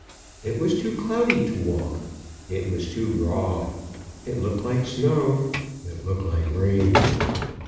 It was too cloudy to walk. It was too raw. It looked like snow. It looked like rain.